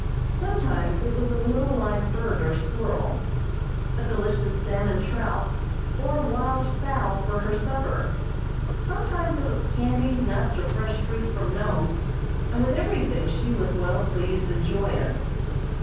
Sometimes it was a little live bird or squirrel, a delicious salmon trout or wild fowl for her supper; sometimes it was candy, nuts, or fresh fruit from Nome, and with everything she was well pleased and joyous.